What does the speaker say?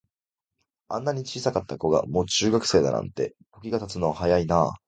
あんなに小さかった子が、もう中学生だなんて、時が経つのは早いなあ。